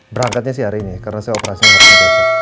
berangkatnya sih hari ini karena saya operasinya hari itu